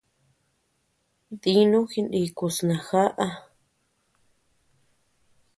Dinu jinikus najaʼa.